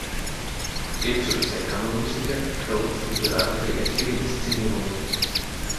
Ebenso ist er Kammermusiker, Coach und Berater für etliche Inszenierungen.